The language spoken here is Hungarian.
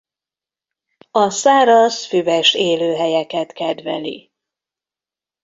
A száraz füves élőhelyeket kedveli.